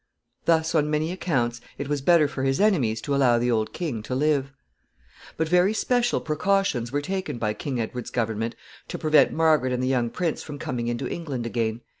Thus, on many accounts, it was better for his enemies to allow the old king to live. [Sidenote: Cruelties.] [Sidenote: Men tortured.] But very special precautions were taken by King Edward's government to prevent Margaret and the young prince from coming into England again.